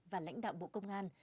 và lãnh đạo bộ công an